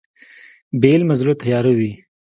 بې علمه زړه تیاره وي.